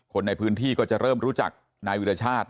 คนในพื้นที่ก็จะเริ่มรู้จักนายวิรชาติ